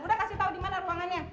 udah kasih tau di mana ruangannya